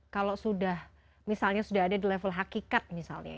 kalau sudah ada di level hakikat misalnya